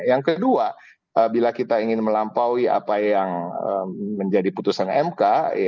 yang kedua bila kita ingin melampaui apa yang menjadi putusan mk